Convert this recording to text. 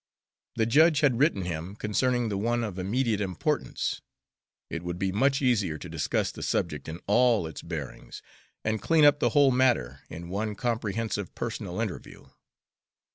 The judge had written him concerning the one of immediate importance. It would be much easier to discuss the subject in all its bearings, and clean up the whole matter, in one comprehensive personal interview.